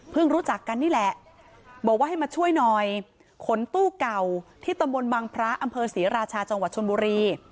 รู้จักกันนี่แหละบอกว่าให้มาช่วยหน่อยขนตู้เก่าที่ตำบลบังพระอำเภอศรีราชาจังหวัดชนบุรี